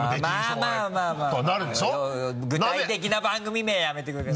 具体的な番組名やめてください。